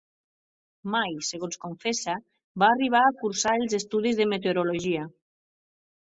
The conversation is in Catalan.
Mai, segons confessa, va arribar a cursar els estudis de Meteorologia.